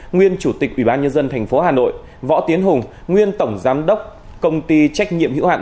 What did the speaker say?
nguyên chủ tịch ủy ban nhân dân thành phố hà nội võ tiến hùng nguyên tổng giám đốc công ty trách nhiệm hữu hạn